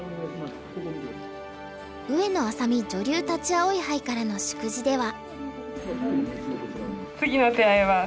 上野愛咲美女流立葵杯からの祝辞では。